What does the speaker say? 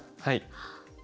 はい。